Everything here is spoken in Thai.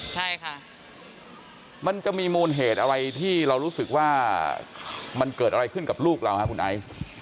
ใช่ค่ะมันจะมีมูลเหตุอะไรที่เรารู้สึกว่ามันเกิดอะไรขึ้นกับลูกเราฮะคุณไอซ์